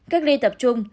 cách ly tập trung